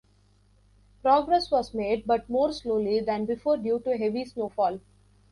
Progress was made, but more slowly than before due to heavy snowfall.